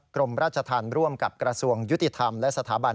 กรมราชธรรมร่วมกับกระทรวงยุติธรรมและสถาบัน